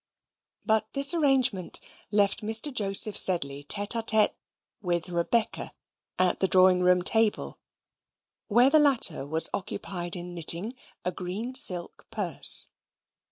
But this arrangement left Mr. Joseph Sedley tete a tete with Rebecca, at the drawing room table, where the latter was occupied in knitting a green silk purse.